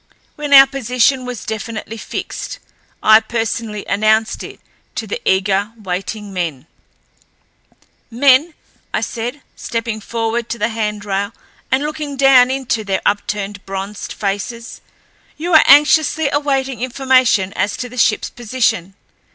When our position was definitely fixed I personally announced it to the eager, waiting men. "Men," I said, stepping forward to the handrail and looking down into their upturned, bronzed faces, "you are anxiously awaiting information as to the shipl's position.